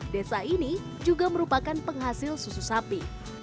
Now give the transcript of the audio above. desa ini juga merupakan penghasil susu sapi